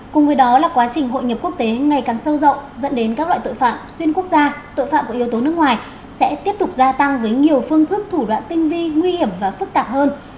cùng với đó là quá trình hội nhập quốc tế ngày càng sâu rộng dẫn đến các loại tội phạm xuyên quốc gia tội phạm của yếu tố nước ngoài sẽ tiếp tục gia tăng với nhiều phương thức thủ đoạn tinh vi nguy hiểm và phức tạp hơn